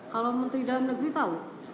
kalau menteri dalam negeri tahu